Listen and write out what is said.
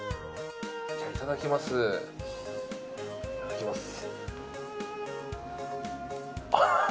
いただきます。